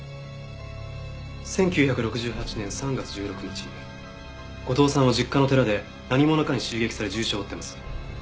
１９６８年３月１６日後藤さんは実家の寺で何者かに襲撃され重傷を負っています。